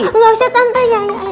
gak usah tante ya iya iya tante